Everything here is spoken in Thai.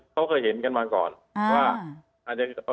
เขาเคยเห็นกันมาก่อนว่า